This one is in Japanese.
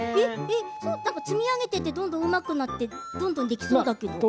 積み上げていってどんどんうまくなってどんどんできそうだけど。